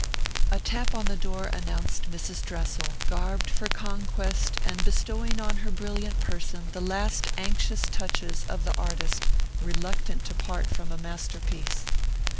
A tap on the door announced Mrs. Dressel, garbed for conquest, and bestowing on her brilliant person the last anxious touches of the artist reluctant to part from a masterpiece.